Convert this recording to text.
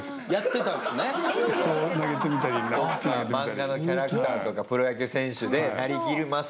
漫画のキャラクターとかプロ野球選手でなりきります